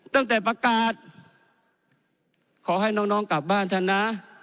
ตั้งแต่ประกาศขอให้น้องกลับบ้านท่านนะ